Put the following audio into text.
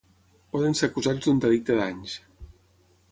Poden ser acusats d’un delicte danys.